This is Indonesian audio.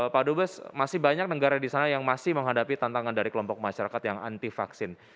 pak dubes masih banyak negara di sana yang masih menghadapi tantangan dari kelompok masyarakat yang anti vaksin